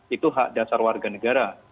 itu hak dasar warga negara